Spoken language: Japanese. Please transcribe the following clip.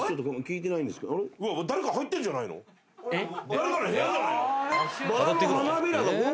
誰かの部屋じゃないの？